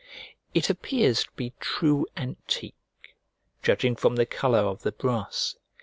It appears to be true antique, judging from the colour of the brass.